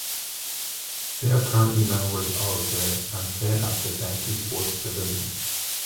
They are currently members of the and play at the Bentley Sports Pavilion.